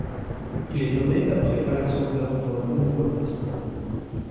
Il est nommé d'après Alexander von Humboldt.